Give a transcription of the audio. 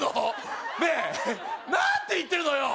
何て言ってるの？